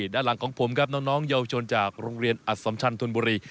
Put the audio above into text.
ด้านหลังของผมครับน้องเยาวชนจากโรงเรียนอัสสัมชันธนบุรี